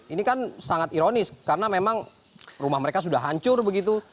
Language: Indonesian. ini kan sangat ironis karena memang rumah mereka sudah hancur begitu